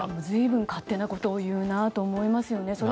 ずいぶん勝手なことを言うなと思いますよね。